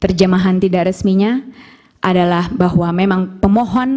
terjemahan tidak resminya adalah bahwa pengadilan menyatakan bahwa pemohon